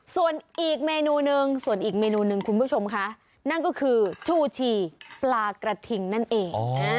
ส่วนอีกเมนูหนึ่งส่วนอีกเมนูหนึ่งคุณผู้ชมคะนั่นก็คือชูชีปลากระทิงนั่นเอง